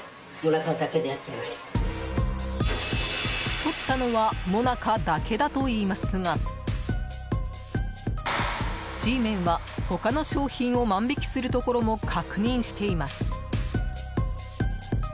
とったのはもなかだけだと言いますがＧメンは他の商品を万引きするところも確認しています。